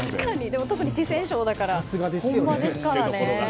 特に四川省だから本場ですからね。